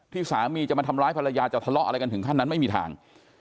สามีจะมาทำร้ายภรรยาจะทะเลาะอะไรกันถึงขั้นนั้นไม่มีทาง